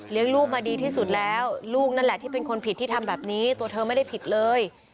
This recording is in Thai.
ลูกมาดีที่สุดแล้วลูกนั่นแหละที่เป็นคนผิดที่ทำแบบนี้ตัวเธอไม่ได้ผิดเลย